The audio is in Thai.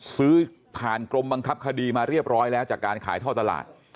ซื้อผ่านกรมบังคับคดีมาเรียบร้อยแล้วจากการขายท่อตลาด